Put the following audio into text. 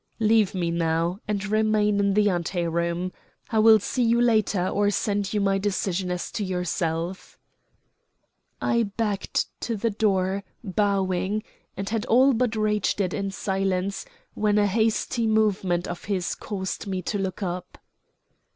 "Leave me now, and remain in the ante room. I will see you later or send you my decision as to yourself." I backed to the door, bowing, and had all but reached it in silence when a hasty movement of his caused me to look up.